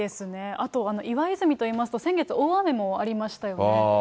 あと、岩泉といいますと、先月大雨もありましたよね。